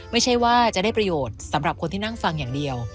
ไม่ใช่ว่าจะได้ประโยชน์สำหรับคนที่นั่งฟังอย่างเดียว